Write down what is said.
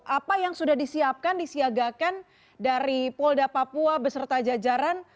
apa yang sudah disiapkan disiagakan dari polda papua beserta jajaran